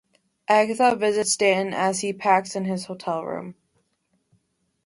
Agatha visits Stanton as he packs in his hotel room.